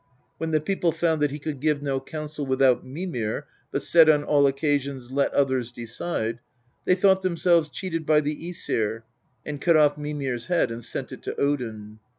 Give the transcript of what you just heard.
When the people found that he could give no counsel without Mimir, but said on all occasions " Let others decide," they thought themselves cheated by the vEsir, and cut off Mimir's head and sent it to Odin.